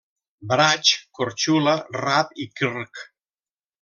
Brač, Korčula, Rab i Krk.